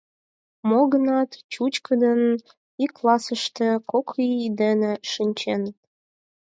Мо-гынат чӱчкыдын ик классыште кок ий дене шинченыт.